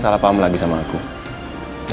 aku bisa lakukan semuanya sendiri